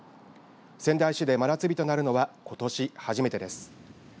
仙台市で真夏日となるのはことし初めてです。